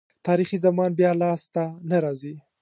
تاریخي زمان بیا لاسته نه راځي.